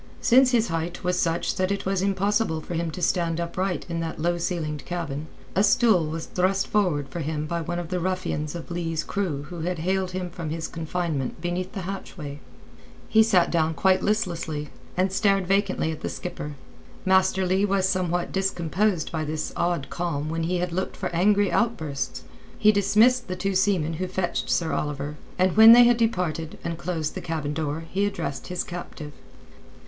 Since his height was such that it was impossible for him to stand upright in that low ceilinged cabin, a stool was thrust forward for him by one of the ruffians of Leigh's crew who had haled him from his confinement beneath the hatchway. He sat down quite listlessly, and stared vacantly at the skipper. Master Leigh was somewhat discomposed by this odd calm when he had looked for angry outbursts. He dismissed the two seamen who fetched Sir Oliver, and when they had departed and closed the cabin door he addressed his captive.